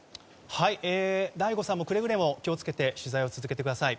醍醐さんもくれぐれも気を付けて取材を続けてください。